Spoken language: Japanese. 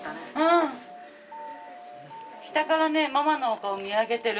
下からねママのお顔見上げてる。